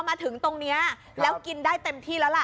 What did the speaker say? มาถึงตรงนี้แล้วกินได้เต็มที่แล้วล่ะ